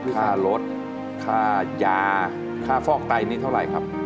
ค่ารถค่ายาค่าฟอกไตนี่เท่าไหร่ครับ